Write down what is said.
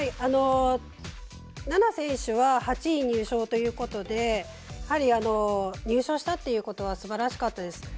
那菜選手は８位入賞ということで優勝したということはすばらしかったです。